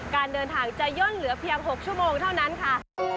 การเดินทางจะย่นเหลือเพียง๖ชั่วโมงเท่านั้นค่ะ